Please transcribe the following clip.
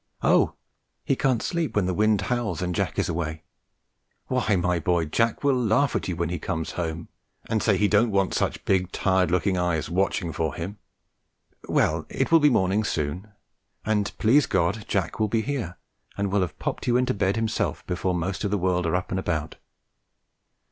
Oh! he can't sleep when the wind howls, and Jack is away! Why, my boy, Jack will laugh at you when he comes home, and say he don't want such big, tired looking eyes watching for him! Well, it will be morning soon, and, please God, Jack will be here, and will have popped you into bed himself before most of the world are up and about."